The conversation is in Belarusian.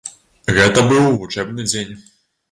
Гэта быў вучэбны дзень.